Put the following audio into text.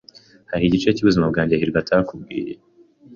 Hari igice cyubuzima bwanjye hirwa atakubwiye?